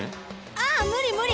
ああ無理無理。